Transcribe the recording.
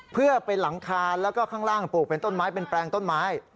เพื่อเป็นหลังคาแล้วก็ข้างล่างปลูกเป็นต้นไม้เป็นแปลงต้นไม้